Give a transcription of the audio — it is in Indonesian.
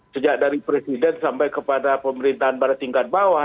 sejak dari presiden sampai kepada pemerintahan pada tingkat bawah